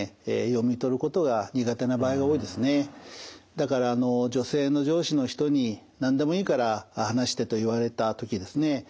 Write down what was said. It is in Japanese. だから女性の上司の人に「何でもいいから話して」と言われた時ですね